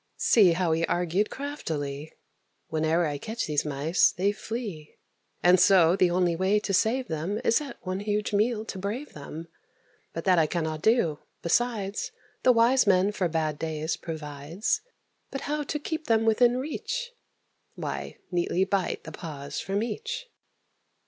See how he argued craftily: "Whene'er I catch these Mice, they flee; And so the only way to save them Is at one huge meal to brave them. But that I cannot do; besides, The wise man for bad days provides. But how to keep them within reach? Why, neatly bite the paws from each."